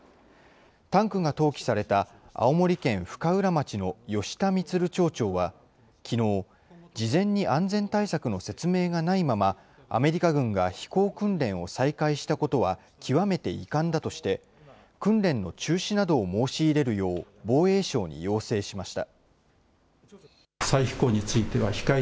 タンクが投棄された青森県深浦町の吉田満町長はきのう、事前に安全対策の説明がないまま、アメリカ軍が飛行訓練を再開したことは、極めて遺憾だとして、訓練の中止などを申し入れるよう防衛省に要請しました。